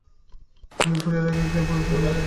তিনি পুরিয়া রাগে খেয়াল পরিবেশন করেছিলেন।